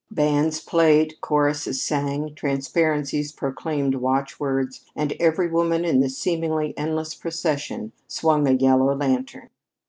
Bands played, choruses sang, transparencies proclaimed watchwords, and every woman in the seemingly endless procession swung a yellow lantern.